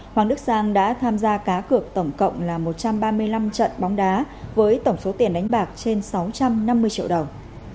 hoàng đức sang đã tham gia cá cược tổng cộng là một trăm ba mươi năm trận bóng đá với tổng số tiền đánh bạc trên sáu trăm năm mươi triệu đồng